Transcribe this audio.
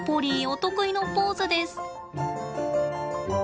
お得意のポーズです。